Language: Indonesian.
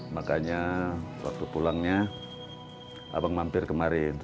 makanya waktu pulangnya abang mampir kemarin